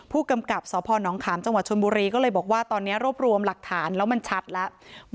ผู้กำกับสพนขามจังหวัดชนบุรีก็เลยบอกว่าตอนนี้รวบรวมหลักฐานแล้วมันชัดแล้ว